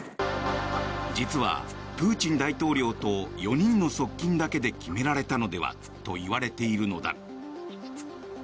実は、プーチン大統領と４人の側近だけで決められたのではといわれているのだ。